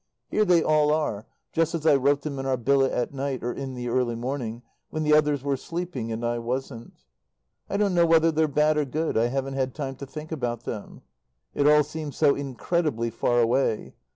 Here they all are just as I wrote them, in our billet, at night or in the early morning, when the others were sleeping and I wasn't. I don't know whether they're bad or good; I haven't had time to think about them. It all seems so incredibly far away.